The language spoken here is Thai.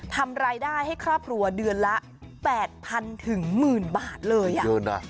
ทำรายได้ให้คราบหัวเดือนละ๘๐๐๐๑๐๐๐๐บาทเลยอ่ะ